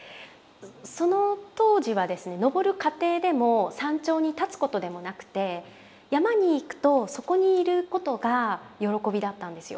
その当時はですね登る過程でも山頂に立つことでもなくて山に行くとそこにいることが喜びだったんですよ。